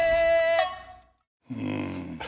うん